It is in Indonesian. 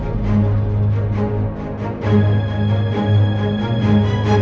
jangan lupa like share dan subscribe ya